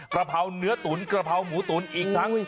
กระเพราเนื้อตุ๋นกระเพราหมูตุ๋นอีกทั้ง